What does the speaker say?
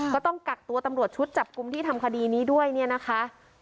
ก็ต้องกักตัวตำรวจชุดจับกลุ่มที่ทำคดีนี้ด้วยเนี่ยนะคะ